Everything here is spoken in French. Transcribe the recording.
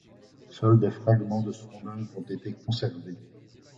Seuls des fragments de son œuvre ont été conservés.